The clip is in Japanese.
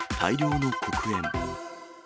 大量の黒煙。